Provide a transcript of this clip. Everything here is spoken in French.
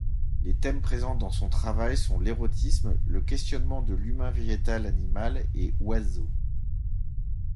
Les thèmes présents dans son travail sont l’érotisme, le questionnement de l’humain-végétal-animal et oiseau.